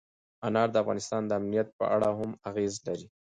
انار د افغانستان د امنیت په اړه هم اغېز لري.